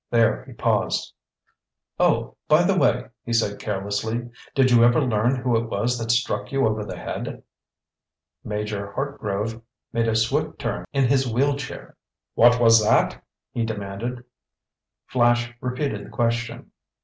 There he paused. "Oh, by the way," he said carelessly, "did you ever learn who it was that struck you over the head?" Major Hartgrove made a swift turn in his wheel chair. "What was that?" he demanded. Flash repeated the question.